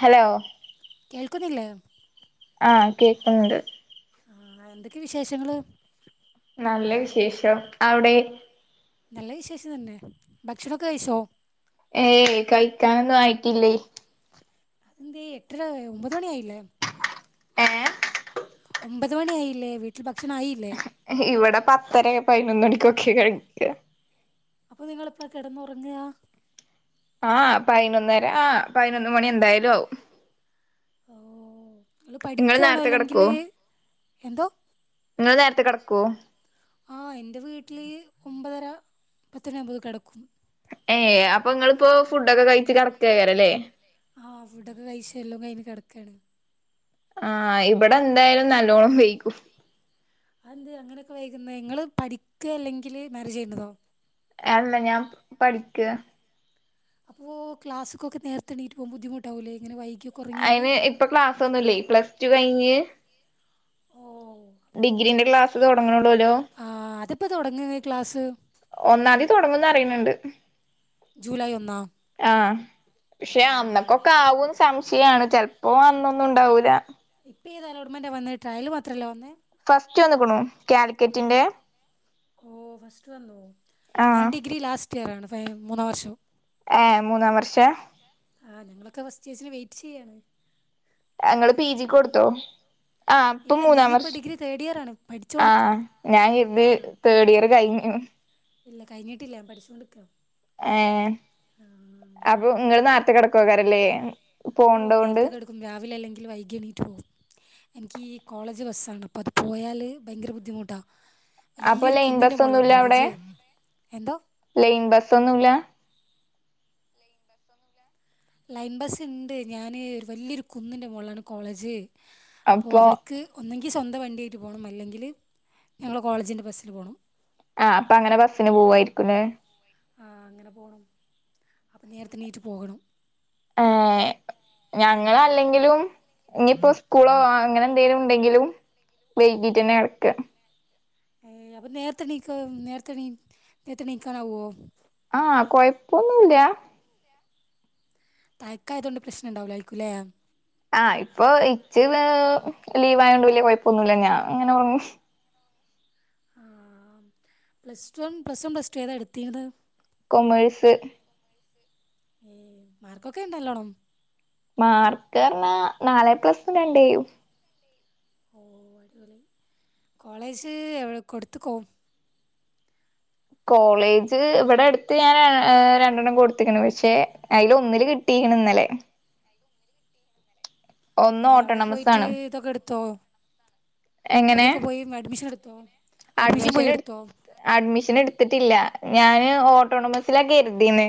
Hello കേൾക്കുന്നില്ലേ? ആഹ് കേക്കിണ്ട്. ആഹ് എന്തൊക്കെയാ വിശേഷങ്ങള്? നല്ല വിശേഷം അവിടെ? നല്ല വിശേഷം തന്നെ ഭക്ഷണൊക്കെ കഴിച്ചോ? ഏയ് കഴിക്കാനൊന്നും ആയിട്ടില്ലേയ് എന്തേ എട്ടരയായോ ഒമ്പത് മണി ആയില്ലേ? ഏ? ഒമ്പത് മണി ആയില്ലേ, വീട്ടില് ഭക്ഷണം ആയില്ലേ? ഇവിടെ പത്തര പതിനൊന്ന് മണിക്കൊക്കെ കഴിക്കാ. അപ്പൊ നിങ്ങള് എപ്പളാ കെടന്നുറങ്ങാ? ആഹ് പയ്നൊന്നര ആ പയ്നൊന്ന് മണി എന്തായാലും ആവും. ഓ ഇങ്ങള് നിങ്ങൾ പഠിക്കാണോ നേരത്തെ അല്ലെങ്കില് എന്തോ? ഇങ്ങള് നേരത്തെ കെടക്കോ? ആഹ് എന്റെ വീട്ടില് ഒമ്പതര പത്തണിയാവുമ്പെക്ക് കെടക്കും ഏ അപ്പൊ ഇങ്ങളിപ്പോ ഫുഡൊക്കെ കഴിച്ച് കെടകൈക്കാരം ല്ലേ? കെട ആഹ് ഇവിടെന്തായാലും നല്ലോണം വെയ്കും. ആഹ് എന്തേ അങ്ങനെയൊക്കെ വൈകുന്നെ? ഇങ്ങള് പഠിക്കെ അല്ലെങ്കില് മാരേജയ്ന്നതോ? അല്ല ഞാൻ പഠിക്കാ അപ്പോ ക്ലാസ്ക്കൊക്കെ നേർത്തെ എണീട്ട് പോവാൻ ബുദ്ധമുട്ടാവൂല്ലേ ഇങ്ങനെ വൈ അയിന് ഇപ്പ ക്ലാസ് ഒന്നുല്ലേ പ്ലസ് ടു കഴിഞ്ഞ് ഓ അപ്പോ ഡിഗ്രീന്റെ ക്ലാസ് തൊടങ്ങണുള്ളൂല്ലോ. പ്പൊ തൊടങ്ങായി ക്ലാസ്. ഒന്നാന്തി തൊടങ്ങുന്ന് പറയ്ണിണ്ട്. ജൂലൈ ഒന്നാ? ആഹ് പക്ഷെ ഓ അന്നക്കൊക്കെ ആവുന്ന് സംശയാണ് ചെൽപ്പോ അന്നൊന്നുണ്ടാവൂല. ഏത് അലോട്ട്മെൻ്റാ വന്ന്, ട്രയല് മാത്രല്ലേ വന്ന്. ഫസ്റ്റ് വന്നിക്ക്‌ണു കാലിക്കറ്റിന്റെ ഓ ഫസ്റ്റ് വന്നു, ഞാൻ ആഹ് ഡിഗ്രി ലാസ്റ്റ് ഇയർ ആണ് ഫൈ മൂന്നാം വർഷം ഏ മൂന്നാം വർഷാ? ആഹ് ഞങ്ങളൊക്കെ ഫസ്റ്റിയേർസിനെ വെയിറ്റ് ചെയ്യാണ്. അ ഇങ്ങള് പി ജിക്ക് കൊടുത്തോ? ആഹ് പ്പൊ ഇല്ല മൂന്നാം ഞാനിപ്പോ വർഷ ഡിഗ്രി തേർഡ് ഇയർ ആണ് പഠിച്ചോണ്ട്ക്കാ ആഹ് ഞാൻ ഇത് തേഡ് ഇയറ് കഴിഞ്ഞു. [unintelligible] ഏ ആ അപ്പൊ ഇങ്ങള് നാർത്തെ കെടക്കുവേക്കാരല്ലേ. ഓ നേരത്തെ കെടക്കും രാവിലെ അല്ലെങ്കില് വൈകി എണീറ്റ് പോവും. എനിക്ക് ഈ കോളേജ് ബസ്സാണ് അപ്പോ അത് പോയാല് ഭയങ്കര ബുദ്ധിമുട്ടാ. അപ്പൊ ലൈൻ ബസ്സൊന്നുല്ലാ അവടെ? കോളേജ് എന്തോ ലൈൻ ബസ്സൊന്നുല്ലാ? ലൈൻ ബസ് ണ്ട് ഞാന് വല്യോരു കുന്നിന്റെ മുകളിലാണ് കോളേജ് അപ്പോ അപ്പൊ അവിടുക്ക് ഒന്നങ്കി എനിക്ക് സ്വന്തം വണ്ടിയായിട്ട് പോണം അല്ലെങ്കിൽ ഞങ്ങളെ കോളേജിന്റെ ബസ്സിൽ പോണം ആ അപ്പൊ അങ്ങനെ ബസ്സിന് പോവായിരിക്കുലേ ആ അങ്ങനെ പോണം അപ്പൊ നേരത്തെണീറ്റ് പോകണം ഏ ഉം ഞങ്ങള അല്ലെങ്കിലും ഇനിയിപ്പോ സ്കൂളോ അങ്ങനെ എന്തേലും ണ്ടെങ്കിലും വൈകീട്ടന്നെ അട്ക്ക ഏ അപ്പ നേരത്തെ ണീക്കോ നേരത്തെ നേര്ത്തെ നീക്കാനാവോ ആ കൊഴപ്പൊന്നുല്ല തയക്ക ആയതോണ്ട് പ്രശ്നം ഉണ്ടാവുലേക്കുല്ലേ ആ ഇപ്പൊ ഇച്ച ലീവ് ആയോണ്ട് വലിയ കുഴപ്പൊന്നുമല്ല ഞാൻ അങ്ങനെ [unintelligible] ആ പ്ലസ് ടും പ്ലസ് വൺ പ്ലസ് ടു ഏതാ എട്ത്തീനത് കൊമേഴ്സ് ഏ മാർക്കൊക്കെ ണ്ടോ ല്ലോണം മാർക്കർനാ നാല എപ്ലസും രണ്ടുഏയും ഓ അടിപളി കോളേജ് എവ കൊടുത്ത്ക്കോ കോളേജ് ഇവിടെ അടുത്ത് ഞാൻ ഏ രണ്ടെണ്ണം കൊടുത്ത്ക്ക്ണ് പക്ഷെ അയിൽ ഒന്നില് കിട്ടി ഇണന്നലെ ഏ അവടെ ഓട്ടോണമസ് പോയിട്ട് ആണ് ഇതൊക്കെ ടുത്തോ എങ്ങനെ അവിടെക്കെ പോയി അഡ്മിഷൻ എടുത്തോ അഡ്മിഷൻ പോയി എടുത്തോ ത്തിട്ടില്ല ഞാന് ഓട്ടോണമസിലാ കെര്തീനെ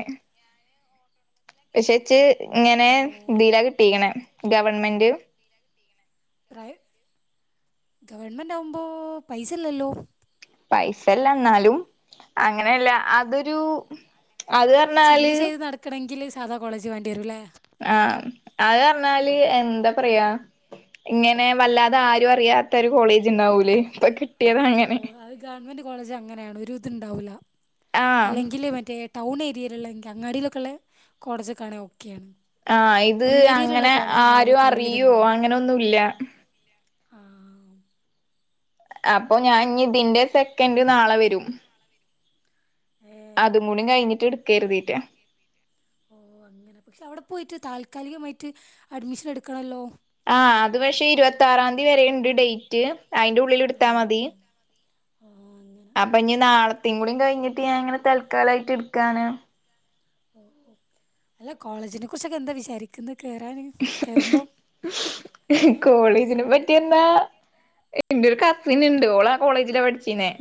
പഷെച്ച് ഇങ്ങനെ ദില പക്ഷെ കിട്ടീക്കണേ ഗവൺമെന്റ് ഗവൺമെന്റ് ആവുമ്പോ പൈസ ഇല്ലല്ലോ പൈസല്ല ന്നാലും അങ്ങനെല്ല അതൊരു അത് അർഞ്ഞാല് സാതാ കോളേജ് വേണ്ടിവരും ല്ലെ ആ അത് പറഞ്ഞാല് എന്ത പറയാ ഇങ്ങനെ വല്ലാതെ ആരും അറിയാത്ത ഒര് കോളേജ് ണ്ടാവൂല ഇപ്പൊ കി ഓ അത് ഗവൺമെന്റ് കോളേജ് അങ്ങനെയാണ് ഒരു ഇത്ണ്ടാവൂല ആഹ് അല്ലെങ്കില് മറ്റേ ടൗൺ ഏരിയയിലുള്ളങ്കി അങ്ങാടിയിലൊക്കെള്ള കോളേജൊക്കാണേങ്കി ഓ ആ ഇത് അങ്ങനെ കോളേജൊന്നും ആരും ആരു അത്ര വലിയ അറിയോ അങ്ങനെ ഒന്നുല്ല ആ അപ്പൊ ഞാൻ ഞ്ഞി ഇതിന്റെ സെക്കൻഡ് നാളെ വരും അതും ഏഹ് കൂടി കഴിഞ്ഞിട്ട് എടുക്കര്തീറ്റാ ഓ അങ്ങനെ പക്ഷെ അവിടെ പോയിട്ട് താൽക്കാലികമായിട്ട് അഡ്മിഷൻ എടുക്കണല്ലോ ആ അത് പക്ഷെ ഇരുപത്തി ആറാംതി വരെണ്ട് ഡേറ്റ് അയിന്റുള്ളിൽ ഇട്ത്താ മതി ഓ അങ്ങനെ ത്തിം കൂടിം കഴിഞ്ഞിട്ട് ഞാൻ ഇങ്ങനെ തൽക്കാലായിട്ട് ഇട്ക്കാണ് അല്ല കോളേജിനെ കുറിച്ചൊക്കെ എന്താ വിചാരിക്കുന്ന കോളേജിനെ പറ്റി എ എന്റെരു കസിൻ ഇണ്ട് ഓളാ കോളേജില പഠിച്ചീനെ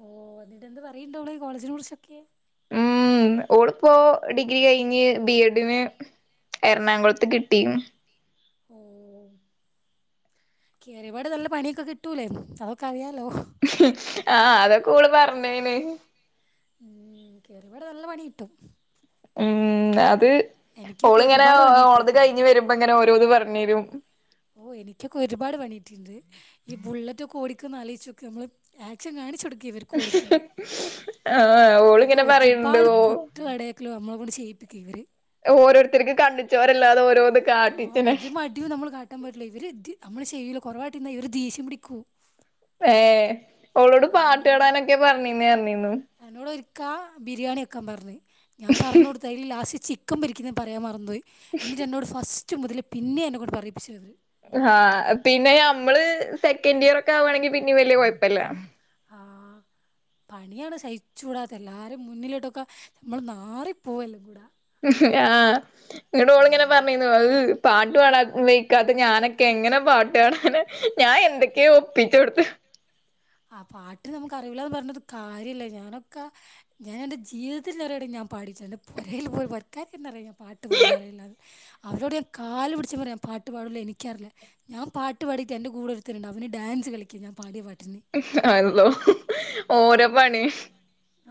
ഓ എന്നിട്ട എന്ത് പറയണ്ടോള് കോളേജിനെ കുറിച്ചൊക്കെ ഉം ഓള്പ്പോ ഡിഗ്രി കഴിഞ്ഞ് ബിഎഡിന് എറണാകുളത്ത് കിട്ടിക്ണ് ഓ കേറിപാട് നല്ല പണിയൊക്കെ കിട്ടൂലേ അതൊക്കെ അറിയാലോ ആ അതൊകെ ഓള് പറഞ്ഞേനി ഉം കേയറിയപാടെ നല്ല പണി കിട്ടും ഉം അത് എനിക്കൊക്കെ ഓള് ങ്ങനെ ഒരുപാട് പണി ഓൾത് കിട്ടിക്ക് കഴിഞ്ഞ് വരുമ്പോ ഇങ്ങനെ ഓരോന്ന് പറഞ്ഞരും ഓ എനിക്കൊക്കെ ഒരുപാട് പണിട്ടിണ്ട് ഈ ബുള്ളറ്റൊക്കെ ഓടി ക്ക്ന്ന ആലോയ്ചോക്ക് അമ്മള് ആക്ഷൻ കാണിച്ചൊട്ക്ക ക്ക് ഇവർക്ക് ഓടിക്ക്ന്നെ ആഹ് അത് ഓളിങ്ങനെ പറയണ്ട് ഒരുപാട് ഓ കുട്ടിളടേക്ക്ലും അമ്മള കൊണ്ട് ചെയ്യ ഇ ക ഇവരെ ഓരോരുത്തർക്കും കണ്ണ് ചോര ഇല്ലാതെ ഓരോ ആഹ ഒരു മടിയും നമ്മള് കാട്ടാൻ പറ്റില്ല ഇവര് നമ്മള് ശയില കുറവായിട്ട് ഇവ ദേഷ്യ പിടിക്കൂ ഏ ഓളോട് പാട്ട് കേടാനൊക്കെ പറഞ്ഞീന്നേ അഞ്ഞീു ചാ ബിരിയാണി ഒക്കൻ പറഞ്ഞു ഞാൻ പറഞ്ഞഞ് കൊടുത്തതിൽ ലാസ്റ്റ് ചിക്കൻ പിരിക്കുന്ന പറയാൻ മറു പോയി എന്നിട്ട് എന്നോട് ഫസ്റ്റ് മുതലേ പിന്നെ എന്നെോട് പറയിപ്പിച്ചുത് ആഹ പിന്നെ നമ്മള് സെക്കൻഡ് ഇയർ ഒക്കെ ആവവാണെങ്കി പിന്നെ വല്ിയ കുഴപ്പല്ല ആ പണിയാണ് ശയിച്ച കൂടാത്ത എല്ലാരും മുന്നിലിട്ടൊക്കെ നമ്മൾ മാാറിപ്പോവല്ലാം കൂട ആഹ് ഇങ്ങട ഓള ഇങ്ങനെ പറഞ്ഞന്ന അത് പാ പട്ട വക്കാത്ത ഞാനൊക്കെ എങ്ങനെ പാട്ട് കാണൻ ഞാൻ എന്തൊക്കെയ ഒപ്പിച്ച കൊടുത്ത് എടു ആ പാട്ട് നമുക്ക് അറിയിവല്ലന്ന് പറഞ്ഞത് കാര്യമല്ല ഞാനൊക്കെ ഞാൻ എൻ്റെ ജീവിതത്തിൽ നിറഞ പാടട്ടുണ്ട് പുൽ പോ വർക്കാറിയ ഞാൻ പാട്ട് പാറില്ലാ അവരോട് ഞാൻ കാല് പിടിച്ച പറയാ പാട്ടു പാടില്ല എനിക്കറില്ല ഞാൻ പാട്ട്ാടിട്ട്ൻ്റെ കൂടെ ഒരുരുത്തരുണ്ട് അവന് ഡാൻസ് കളിക്കുക ാ പാടിയ പാട്ടിനെ അല്ലോ ഓരോ പണിയ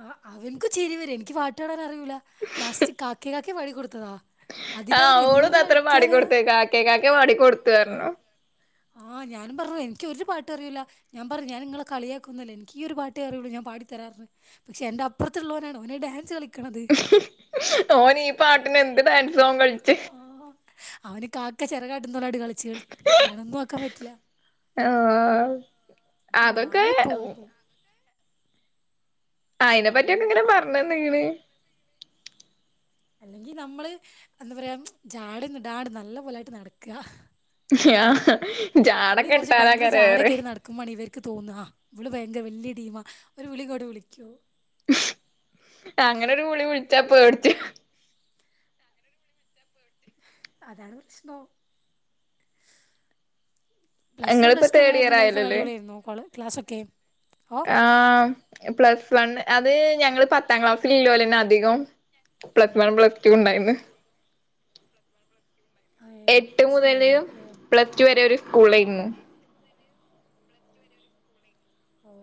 ആ് അവനക്ക് ശരി വരും എനിക്ക് പാട്ടാടാൻ അറിയിൂല്ല ലാസ്റ്റ് കാക്ക കാക്കെ വടി കൊടുത്തു ആഹ് അവഓള അത്ര കളിക്കാനാ മാടൊടുത്തേ കാക്കെ കാക്കെ മാടിക്കൊടുത്തുായിാരരുന്നു ആഹ ആ ഞാൻ പറഞ്ഞ എന ഒരുരു പാട്ട അറിയില്ല ഞൻ പറഞ്ഞ ഞൻ നിങ്ങളെ കളിയാക്കുന്നില്ലേ എനിക്കീ ഒരു പാട്ടേറുള്ളൂഞാൻ പടി തരാറരുന്നു പക്ഷെ എന്റെറപ്പറുള്ളവനാണ് അവനെ ഡാൻസ് കള ഓനീ പാട്ടിന എന്ത് ഡാൻസൻ കഴിിച്ചു ആ, അവന് കാക്ക ചെറകാട്ടും തോലാടി കളിു എല്ലണ ഒന്നും നോക്കാൻ പറ്റില്ല ആഹ് നമ്മൾ അതൊക്കെ നാറിപ്പോകും ആ അതിനെ ഉം. പറ്റിയൊക്കെ ഇങ്ങനെ പറഞ്ഞന്ന്ീണ് അല്ലെങ്കി നമ്മള് എന്താ പറയാ ജാട്ന്ന് ഡാട് നല്ല പോലായിട്ട് നടക്കുക അ നമ്മളീ കുറച്ച് ഭയങ്കര ജാട കയറി നടക്കും്പണ ഇവർക്ക് തോന്നാ ഇള ഭയങ്കര വലിയടീം ഒരു വിളിികൂടെ വിളിക്കോ അങ്ങനെ ഒരു ഗളി വിളിച്ചാപ്പ എവിടിച്ച അതാണ് പ്രശഭംം പ്ലസ് വൺ ഇങ്ങളിപ്പോ പ്ലസ് ടു തേർഡ് ഇയർ എങ്ങനെയായിരുന്നു ലൈഫ് ആയല്ലല്ലേ കടിപളിയായിയിരുന്നു ക്ലാസ്സൊക്കെ ഓ ആഹ് പ്ലസ് വണ് അത് ഞങ്ങള് പത്താം ക്ലാസ്സൽ ഇല്ലലന്നെ അധികം പ്ലസ് വൺ പ്ലസ് ടു ഉണ്ടായിന്ന് പ്ര എട്ട് മുതല് പ്ലസ് വരെ ഒരു സ്കൂള ആായിരുന്നു ഇ്ലക്ക് വരെ ഒരു ഓ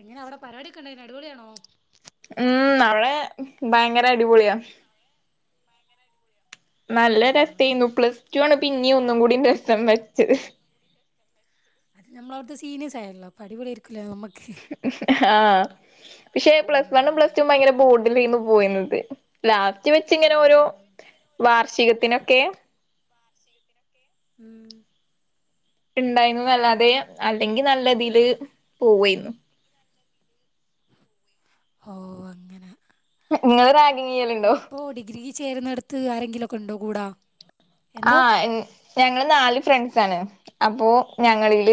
എങ്ങനെ അവിടെ പരിപാടൊക്കെണ്ട അന് അടിപൊളിയ ആാണോ ഉം അടെ ഭയങ്കര അടിപൊളിയാ ആ നല്ല രസമായിുന്നു പ്ലസ് ടു ആണ് പിന്നെയ ഒന്നും കൂടി രസം വെച്ചത് അത് നമ്മള അവിടുത്തെ സീനിയഴസ് ആയല്ലോ അപ്പൊ അടിപൊളിരിക്കലേ നമ്മക്ക് ആഹ പക്ഷെ പ്ലസ് ആഹ് വണ്ൺും പ്ലസ് ടു ഭയങ്കര ബോർഡിൽ പോയുന്നത് ലാസ്റ്റ് വെച്ച്ിങ്ങനെ ഓരോ വാർഷികത്തിനൊക്കെ ഉം ഉണ്ടായിരുന്നു അല്ലാതെ അല്ലെങ്കിൽ നല്ല രതിൽ പോവായിരുന്നു ഓ അങ്ങനെ നിങ്ങള്ൾ റഗിങ് ചെയ്യലുണ്ടോ ചേരുന്നടുത്ത് ആരെങ്കിലും ഒക്കെ ഉണ്ടോ കൂടാ എന്തോ ആഹ് എഹ് ഞങ്ങെൾ നാല് ഫ്രണ്ട്സ് ആണ് അപ്പോ ഞങ്ങൾൽ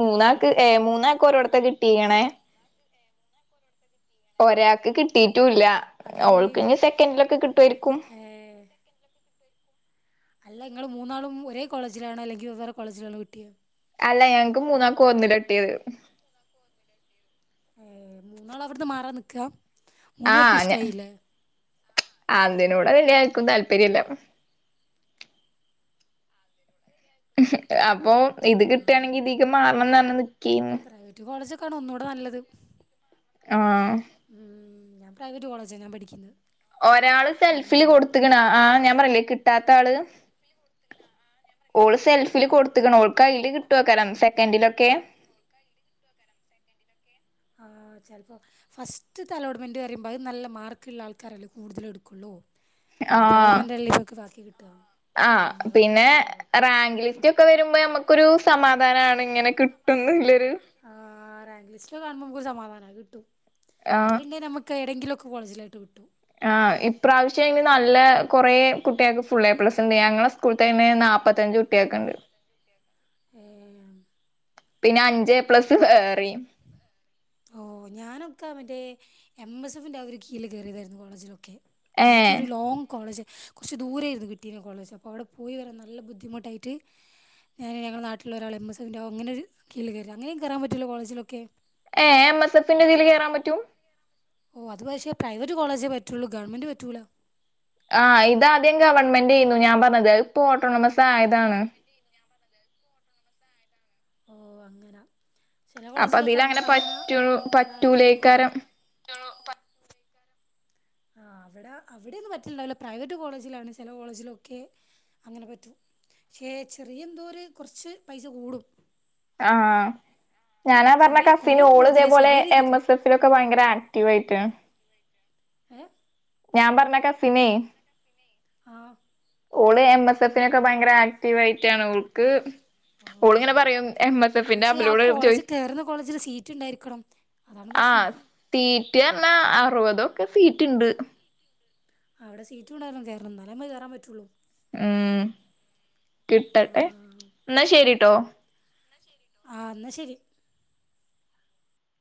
മൂന്നാക്ക് ഏഹ് മൂന്നാക്ക് ഒരോട്ത്താ കിട്ടിക്ക്‌ണേ ഒരാൾക്ക് കിട്ടീട്ടുയില്ല അതില് ഓൾക്ക് ഇനി സെക്കന്റിലൊക്കെ കിട്ടുവായിരിക്കും ഏഹ് അല്ല ഇങ്ങെൾ മൂന്നാളും ഒരേ കോളേജിലണോ അല്ലെങ്കി വെവ്വേറെ കോളേജിലണോ കിട്ടെ? അല്ല ഞങ്ങെക്ക് മൂന്നാക്കും ഒന്നിലാ കിട്ടിയെത്. ഏഹ് നിങ്ങള് അവിടുന്ന് മാറാൻ നിക്കാ മൂന്നു പേർക്കും ആഹ് [unintelligible] ഇഷ്ടായില്ലേ അതിനൂടെ വെള്ളിയാഴ് [unintelligible] താല്പര്യല്ല. അപ്പൊ ഇത് കിട്ടേണങ്കി ആഹ് ഇതിക്ക് മാറണന്ന് പറഞ്ഞ് നി പ്രൈവറ്റ് കോളേജൊക്കെ ആണ് ഒന്നുടെ നല്ലത്. ആഹ് ഉം ഞാൻ പ്രൈവറ്റ് കോളേജ ഞാൻ പഠിക്കുന്നത്. ഒരാള് ഉം സെൽഫില് കൊടുത്ത്ക്കണ് ആഹ് ഞാൻ [unintelligible] കിട്ടാത്ത ആള്. ഓള് സെൽഫില് ആ കൊടുത്ത്ക്കണ് ഓൾക് ഐ ഡി കിട്ട് [unintelligible] സെക്കൻഡിലൊക്കെ ആഹ് ചെലപ്പോ ഫസ്റ്റ്ത്തെ അലോട്ട്മെൻറ് വരുമ്പോ അത് നല്ല മാർക്ക് ഇള്ള ആൾക്കാരല്ലേ കൂടുതലും എടുക്കുള്ളൂ. പിന്നത്തെ ആഹ് ആലോട്ട്മെന്റ് അല്ലേ [unintelligible] കി ആഹ് പിന്നെ റാങ്ക് ലിസ്‌റ്റൊക്കെ വരുമ്പോ നമുക്കൊരു സമാധാനാണ് ഇങ്ങനെ കിട്ടുന്നുള്ള ആഹ് റാങ്ക് ലിസ്റ്റ് കാണുമ്പോ നമുക്കൊരു സമാധാന കിട്ടും. ആഹ് [unintelligible] നമ്മക്ക് ഏടെങ്കിലും. [unintelligible] കോളേജിലായിട്ട് കിട്ടും ആഹ് ഇപ്രാവശ്യം ഇനി നല്ല കുറെ കുട്ടികൾക്ക് ഫുൾ എ പ്ലസ്റ്റ് ഉണ്ട് ഞങ്ങളെ സ്കൂളിത്തെ [unintelligible] നാപ്പത്തഞ്ച് കുട്ടിയെ ക്കണ്ട് ഏഹ് പിന്നെ അഞ്ച് എ പ്ലസ് വേറെയും ഓഹ് ഞാനൊക്കെ മറ്റേ എം എസ് എഫിന്റെ ആ ഒരു കീയിൽ കയറിയതായിരുന്നു കോളേജിലൊക്കെ ഏഹ് എനിക്കൊരു ലോങ്ങ് കോളേജ് കുറച്ച് ദൂരേയിരുന്നു കിട്ടിനെ കോളേജ്. അപ്പ അവിടെ പോയി വരാൻ നല്ല ബുദ്ധിമുട്ടായിട്ട്. ഞാന് ഞങ്ങളെ നാട്ടിലുള്ള ഒരാള് എം എസ് എഫിന്റെ ഓഹ് അങ്ങനൊരു കീഴില് കേറിയതാ അങ്ങനേം കേറാം പറ്റുല്ലോ കോളേജിലൊക്കെ. [unintelligible] എം എസ് എഫിന്റെ ഇതില് കയറാൻ പറ്റും ഓ അത് പക്ഷേ പ്രൈവറ്റ് കോളേജേ പറ്റുള്ളൂ ഗവൺമെന്റ് പറ്റുല ആ ഇതാദ്യം ഗവൺമെന്റ് യിരുന്നു ഞാൻ പറഞ്ഞത് ഇപ്പൊ ഓട്ടോണോമസ് ആയതാണ് ഓ അങ്ങനെ ചില അപ്പൊ കോളേജിലൊക്കെ ഇതിലങ്ങനെ നമ്മക്ക് അങ്ങനെ പറ്റൂ ഒരാള കീഴിൽ പറ്റൂലേക്കാരം കേയറാം ആഹ്‌ അവിടെ അവിടെന്നും പറ്റണ്ടാവല്ല പ്രൈവറ്റ് കോളേജിലാണ് ചില കോളേജിലൊക്കെ അങ്ങനെ പറ്റും ശ് ചെറിയ എന്തോര് കൊറച്ച് പൈസ കൂടും ആഹ്‌ ഞാനാ പറഞ്ഞ ചെറിയ കസിന് കൊറേന്നും ഓള് കൂടത്തില്ല ഇതേപോലെ ചെറിയ എൻ രീതിക്ക് എസ് എസിലെഫിലൊക്കെ ഭയങ്കര ആക്റ്റീവ് ആയിട്ട- ഏഹ് ഞാൻ പറഞ്ഞ കസിനെ ആഹ് ഓള് എൻ എസ് എസിന് ഒക്കെ നൊക്കെ ഭയങ്കര ആക്റ്റീവ് ആയിട്ടാണ് ഓൾക്ക് ഓ ഓളിങ്ങനെ പറയും എം എസ് എഫിന്റെ പക്ഷെ ആ അബിലോട് ചോയി കോളേജിൽ കേയറുന്ന കോളേജില് സീറ്റ് ഉണ്ടായിരിക്കണം അതാണ് ആ പ്രശ്നം സീറ്റ് എന്ന് പറഞ്ഞ അറുപതൊക്കെ സീറ്റ് ഉണ്ട് അവിടെ സീറ്റ് ഉണ്ടായിരുന്നു കേറണം എന്നാലേ നമ്മക്ക് കേറാൻ പറ്റുള്ളു ഉം ആ കിട്ടട്ടെ എന്നാ ശരിട്ടോ കിട്ടട്ടെ. ആ എന്നാ ശരി